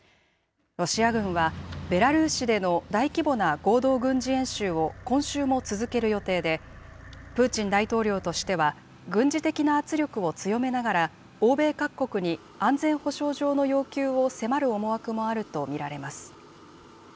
ロシア軍はベラルーシでの大規模な合同軍事演習を今週も続ける予定で、プーチン大統領としては軍事的な圧力を強めながら、欧米各国に安全保障上の要求を迫る思惑もあると見られます。